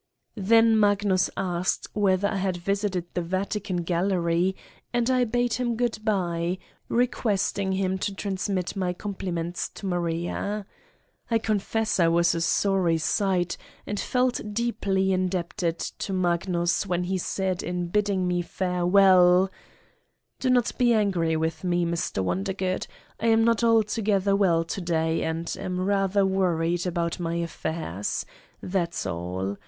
Then Magnus asked whether I had visited the Vatican gallery and I bade him good by, requesting him to transmit my compliments to Maria. I confess I was a sorry sight and felt deeply indebted to Magnus when he said in bidding me farewell : "Do not be angry with me, Mr. Wondergood. I am not altogether well to day and ... am rather worried about my affairs. That's all.